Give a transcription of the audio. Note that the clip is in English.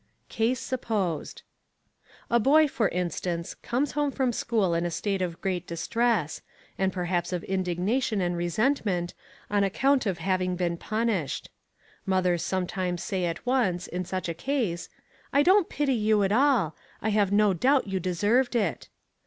Case supposed. A boy, for instance, comes home from school in a state of great distress, and perhaps of indignation and resentment, on account of having been punished. Mothers sometimes say at once, in such a case, "I don't pity you at all. I have no doubt you deserved it."